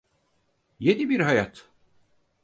Yeni bir hayat.